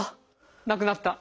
なくなった？